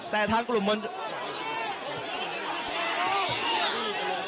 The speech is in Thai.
แต่ทางกลุ่มมวลชน